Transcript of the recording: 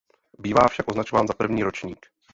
Bývá však označován za první ročník.